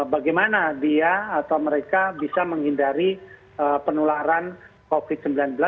bagaimana dia atau mereka bisa menghindari penularan covid sembilan belas